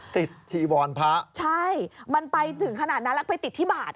ทีวรพระใช่มันไปถึงขนาดนั้นแล้วไปติดที่บาท